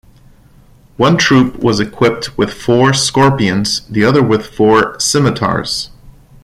One troop was equipped with four Scorpions, the other with four Scimitars.